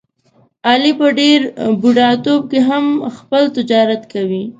علي په ډېر بوډاتوب کې هم خپل تجارت کوي.